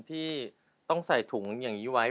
ที่ต้องใส่ถุงอย่างนี้ไว้